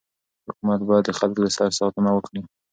حکومت باید د خلکو د سر ساتنه وکړي.